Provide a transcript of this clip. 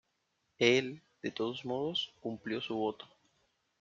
Él, de todos modos, cumplió su voto.